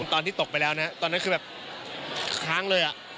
ตอนที่ตกไปแล้วนะตอนนั้นคือแบบค้างเลย